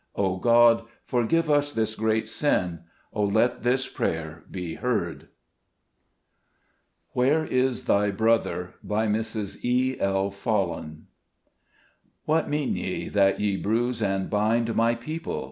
Oh, God ! forgive us this great sin ! Oh, let this prayer be heard !" "WHERE IS THY BROTHER?" BY MRS. E. L. FOLLEN. " What mean ye, that ye bruise and bind My people